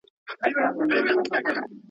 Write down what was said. نه دعا یې له عذابه سي ژغورلای.